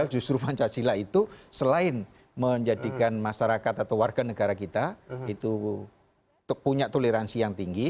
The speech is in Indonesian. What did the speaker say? justru pancasila itu selain menjadikan masyarakat atau warga negara kita itu punya toleransi yang tinggi